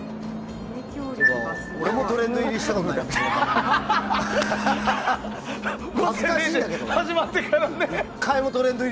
俺もトレンド入りしたことないのに。